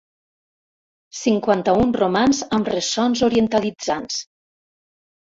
Cinquanta-un romans amb ressons orientalitzants.